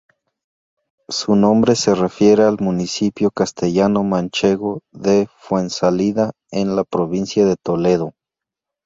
Su nombre se refiere al municipio castellano-manchego de Fuensalida, en la provincia de Toledo.